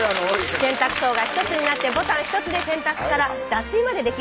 洗濯槽が１つになってボタン１つで洗濯から脱水までできるようになりました。